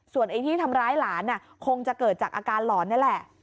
ไอ้ที่ทำร้ายหลานคงจะเกิดจากอาการหลอนนี่แหละ